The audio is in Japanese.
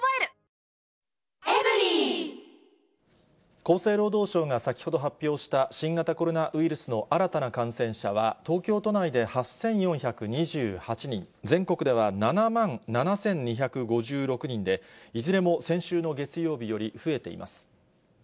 厚生労働省が先ほど発表した新型コロナウイルスの新たな感染者は、東京都内で８４２８人、全国では７万７２５６人で、いずれも先週の月曜日より増えています。